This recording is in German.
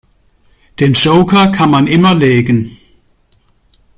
Den Joker kann man immer legen.